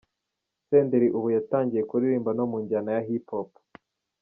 Senderi ubu yatangiye kuririmba no mu njyana ya Hip Hop.